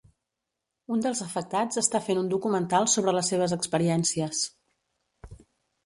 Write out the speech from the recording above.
Un dels afectats està fent un documental sobre les seves experiències.